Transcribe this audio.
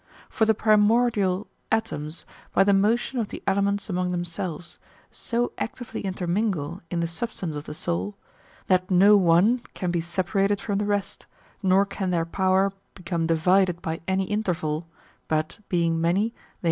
For the primordial atoms, by the motion of the elements among themselves, so actively intermingle in the substance of the soul, that no one 'can be separated from the rest, nor can their power become divided by any interval, but, being many, * A certain fourth nature, or substance.'